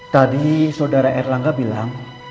tadi saudara erlangga bilang